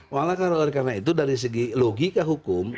malah karena itu dari segi logika hukum